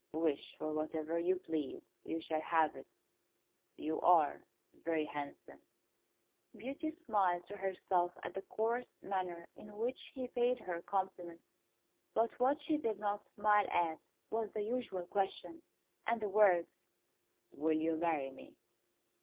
"Wish for whatever you please, you shall have it. You are very handsome." Beauty smiled to herself at the coarse manner in which he paid her compliments; but what she did not smile at was the usual question, and the words, "Will you marry me?"